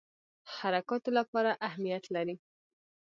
حرکاتو لپاره اهمیت لري.